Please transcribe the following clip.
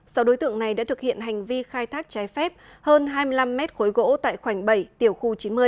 sau đối tượng này đã thực hiện hành vi khai thác trái phép hơn hai mươi năm mét khối gỗ tại khoảnh bảy tiểu khu chín mươi